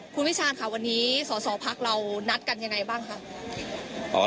คุณวิชาณค่ะวันนี้สสพักเรานัดกันยังไงบ้างคะ